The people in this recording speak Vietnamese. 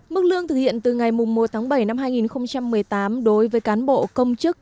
mức lương thực hiện từ ngày một tháng bảy năm hai nghìn một mươi tám đối với cán bộ công chức